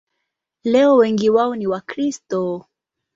Leo wengi wao ni Wakristo.